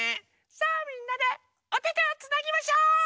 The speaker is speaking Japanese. さあみんなでおててをつなぎましょう！